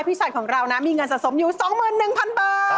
พี่สัยของเรามีเงินสะสมอยู่๒๑๐๐๐บาท